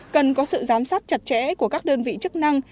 cần có sự giám sát chặt chẽ của các đơn vị chức năng